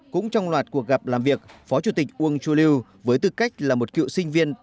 cũng trong loạt cuộc gặp làm việc phó chủ tịch uung chuliu với tư cách là một cựu sinh viên